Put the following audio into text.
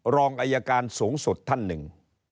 รองอายการสูงสุดท่านหนึ่ง